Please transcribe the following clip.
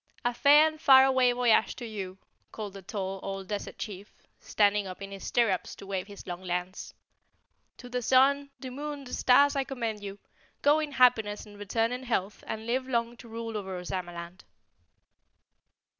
A fair and far away voyage to you," called the tall old desert chief, standing up in his stirrups to wave his long lance. "To the sun the moon the stars I commend you! Go in happiness and return in health and live long to rule over Ozamaland."